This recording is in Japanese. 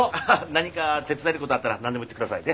何か手伝えることあったら何でも言って下さいね。